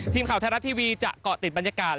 ทีมข่าวไทยรัฐทีวีจะเกาะติดบรรยากาศ